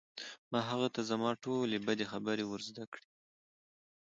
ما هغه ته زما ټولې بدې خبرې ور زده کړې